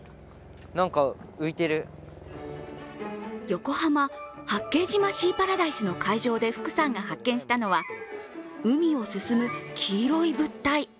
横浜・八景島シーパラダイスの海上で福さんが発見したのは海を進む黄色い物体。